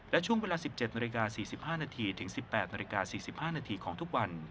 และช่วงเวลา๑๗น๔๕นถึง๑๘น๔๕นของทุกวัน